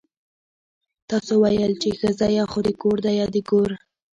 تاسو ويل چې ښځه يا خو د کور ده يا د ګور.